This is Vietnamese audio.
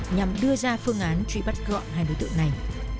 nhằm đưa ra phương án truy bắt gọn hai đối tượng này